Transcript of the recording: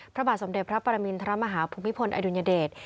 พระบาทสมเด็จพระปรมินทรมาฮาภูมิพลอดุญเดช